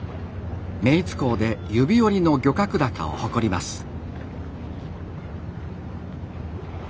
目井津港で指折りの漁獲高を誇ります。